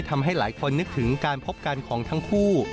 ทำให้หลายคนนึกถึงการพบกันของทั้งคู่